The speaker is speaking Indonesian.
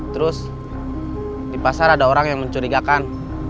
terus di pasar ada orang yang mencurigakan